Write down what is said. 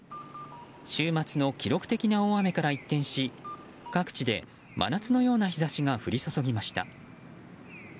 週末の記録的な大雨から一転し各地で真夏のような日差しが降り注ぎました。